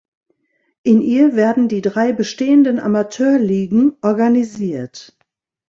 In ihr werden die drei bestehenden Amateurligen organisiert.